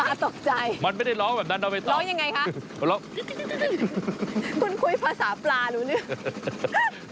ปลาตกใจมันไม่ได้ร้องแบบนั้นเราไม่ต้องร้องยังไงคะร้องคุ้นคุยภาษาปลาหนูนึง